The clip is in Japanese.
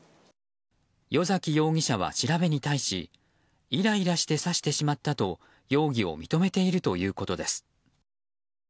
与崎容疑者は調べに対しイライラして刺してしまったと容疑を認めているということです。